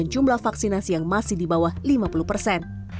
jumlah vaksinasi yang masih di bawah lima puluh persen